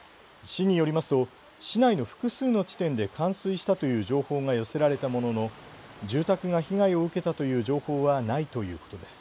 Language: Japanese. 市によりますと市内の複数の地点で冠水したという情報が寄せられたものの住宅が被害を受けたという情報はないということです。